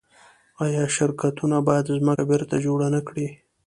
آیا شرکتونه باید ځمکه بیرته جوړه نکړي؟